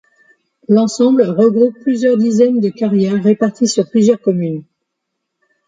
L'ensemble regroupe plusieurs dizaines de carrières réparties sur plusieurs communes.